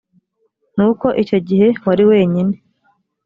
n uko icyo gihe wari wenyine